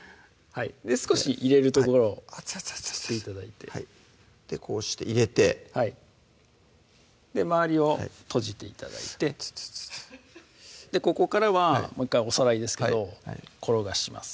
少し入れる所を作って頂いてこうして入れてはい周りを閉じて頂いてアツツツここからはもう１回おさらいですけど転がします